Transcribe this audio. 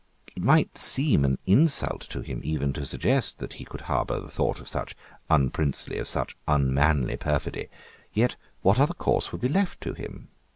It might seem an insult to him even to suggest that he could harbour the thought of such unprincely, of such unmanly, perfidy. Yet what other course would be left to him?